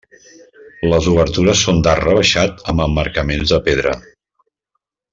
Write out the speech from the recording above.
Les obertures són d'arc rebaixat amb emmarcaments de pedra.